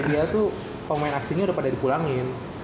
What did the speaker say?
nba tuh pemain aslinya udah pada dipulangin